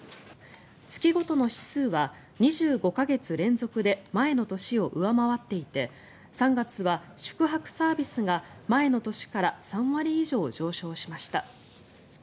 月ごとの指数は２５か月連続で前の年を上回っていて３月は宿泊サービスが前の年から３割以上上昇しました。